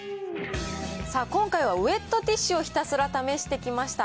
さあ、今回はウエットティッシュをひたすら試してきました。